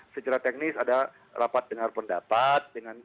secara teknis ada rapat dengan